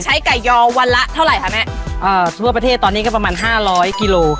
ไก่ยอวันละเท่าไหร่คะแม่อ่าทั่วประเทศตอนนี้ก็ประมาณห้าร้อยกิโล